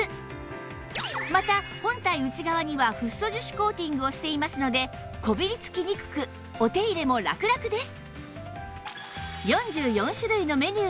また本体内側にはフッ素樹脂コーティングをしていますのでこびりつきにくくお手入れもラクラクです